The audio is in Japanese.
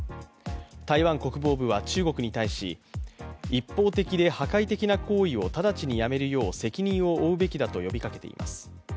台湾国防部は中国に対し一方的で破壊的な行為を直ちにやめるよう責任を負うべきだと呼びかけています。